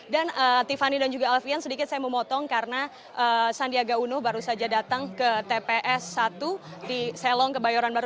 dan tiffany dan juga alfian sedikit saya memotong karena sandiaga uno baru saja datang ke tps satu di selong kebayoran baru